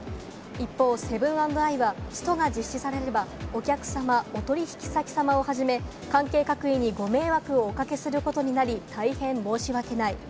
一方、セブン＆アイはストが実施されれば、お客様、お取引先さまをはじめ関係各位にご迷惑をおかけすることになり大変申し訳ない。